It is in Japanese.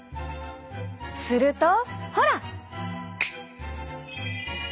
するとほら！